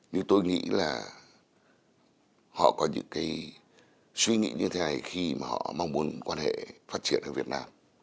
nhưng tôi nghĩ là họ có những cái suy nghĩ như thế này khi mà họ mong muốn quan hệ phát triển ở việt nam